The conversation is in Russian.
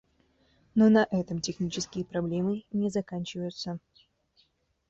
Но на этом технические проблемы не заканчиваются.